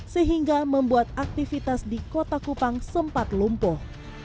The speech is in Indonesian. sehingga membuat aktivitas di kota kupang sempat lumpuh